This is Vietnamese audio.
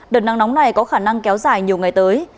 đợt nắng nóng này có khả năng kéo dài nhiều ngày tới